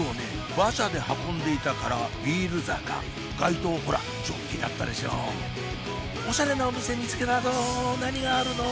馬車で運んでいたからビール坂街灯ほらジョッキだったでしょうおしゃれなお店見つけたぞ何があるの？